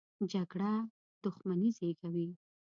جګړه دښمني زېږوي